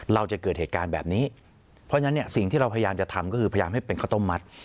เราจะเกิดเหตุการณ์แบบนี้เพราะฉะนั้นเนี่ยสิ่งที่เราพยายามจะทำก็คือพยายามให้เป็นข้าวต้มมัด